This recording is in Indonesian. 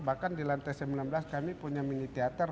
bahkan di lantai sembilan belas kami punya mini teater